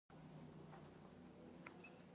دین هم د ګډ تخیل محصول دی.